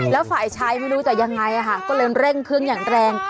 แล้วฝ่ายชายไม่รู้จะยังไงก็เลยเร่งเครื่องอย่างแรง